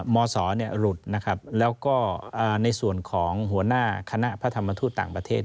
มศหลุดนะครับแล้วก็ในส่วนของหัวหน้าคณะพระธรรมทูตต่างประเทศ